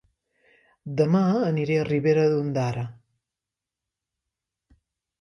Dema aniré a Ribera d'Ondara